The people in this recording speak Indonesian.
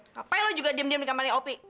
ngapain lo juga diem diem di kamarnya opi